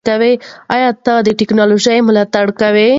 ایا ته د ټیکنالوژۍ ملاتړ کوې؟